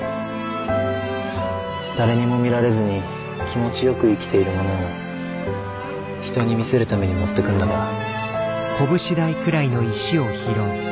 誰にも見られずに気持ちよく生きているものを人に見せるために持ってくんだから。